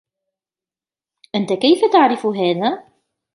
أنتَ كيف تعرف هذا ؟